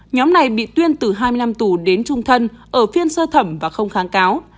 nhóm này bị tuyên từ hai mươi năm tù đến trung thân ở phiên sơ thẩm và không kháng cáo